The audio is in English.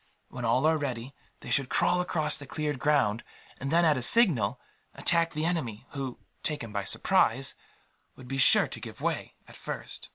When all are ready, they should crawl across the cleared ground and then, at a signal, attack the enemy who, taken by surprise, would be sure to give way, at first.